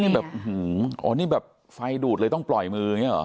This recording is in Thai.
แบบหืมนี่แบบไฟดูดเลยต้องปล่อยมือนี่หรือ